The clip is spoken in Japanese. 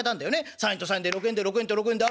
３円と３円で６円で６円と６円で合うじゃない。